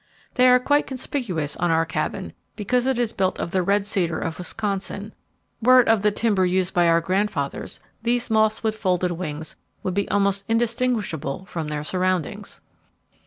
They are quite conspicuous on our Cabin, because it is built of the red cedar of Wisconsin; were it of the timber used by our grandfathers, these moths with folded wings would be almost indistinguishable from their surroundings.